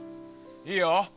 いいよ。